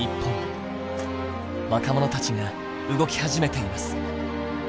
若者たちが動き始めています。